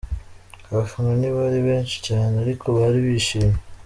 Abafana ntibari benshi cyane ariko bari bishimye.